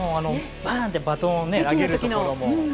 バーンってバトンを投げるところも。